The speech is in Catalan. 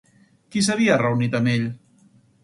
Qui s'havia reunit amb ell?